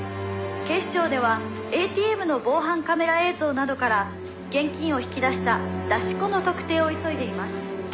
「警視庁ではＡＴＭの防犯カメラ映像などから現金を引き出した“出し子”の特定を急いでいます」